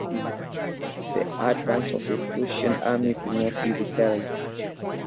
The advance of the Prussian army could not be repelled.